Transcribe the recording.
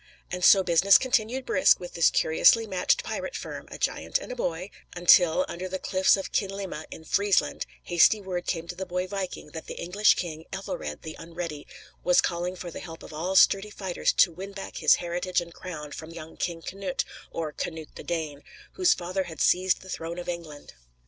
And so business continued brisk with this curiously matched pirate firm a giant and a boy until, under the cliffs of Kinlimma, in Friesland, hasty word came to the boy viking that the English king, Ethelred the Unready, was calling for the help of all sturdy fighters to win back his heritage and crown from young King Cnut, or Canute the Dane, whose father had seized the throne of England.